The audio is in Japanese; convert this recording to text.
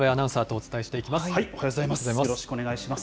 おはようございます。